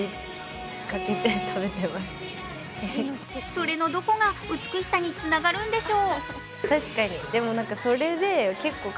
それのどこが美しさにつながるんでしょう？